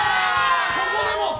ここでも！